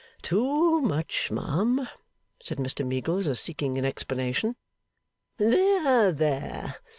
'Too much, ma'am?' said Mr Meagles, as seeking an explanation. 'There, there!